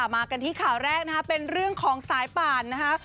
มากันที่ข่าวแรกนะคะเป็นเรื่องของสายป่านนะคะ